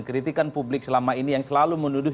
kritikan publik selama ini yang selalu menuduh